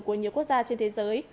của nhiều quốc gia trên thế giới